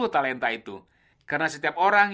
talenta itu karena setiap orang